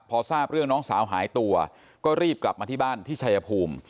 พอทราบเรื่องน้องสาวหายตัวก็รีบกลับมาที่บ้านที่ชายภูมิ